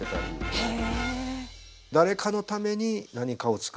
へえ。